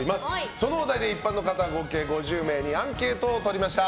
そのお題で一般の方合計５０人にアンケートを取りました。